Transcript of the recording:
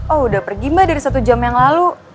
oh udah pergi mbak dari satu jam yang lalu